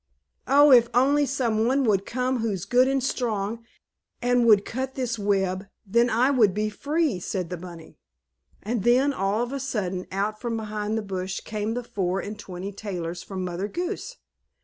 "Oh, if only some one would come who's good and strong, and would cut this web, then I would be free!" said the bunny. And then, all of a sudden, out from behind the bush came the Four and Twenty Tailors, from Mother Goose.